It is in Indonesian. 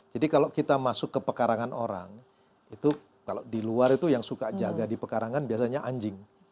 jadi kalau kita masuk ke pekarangan orang itu kalau di luar itu yang suka jaga di pekarangan biasanya anjing